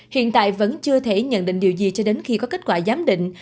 hiện tại vẫn chưa thể nhận định điều gì cho đến khi có kết quả giám định